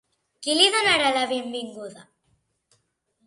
Qui li donarà la benvinguda?